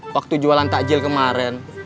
waktu jualan takjil kemarin